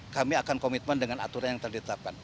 kami akan komitmen dengan aturan yang telah ditetapkan